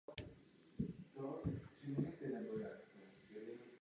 Společně se Zdeňkem Němcem byl hlavním redaktorem Hudebního věstníku Unie.